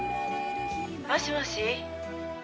「もしもし私」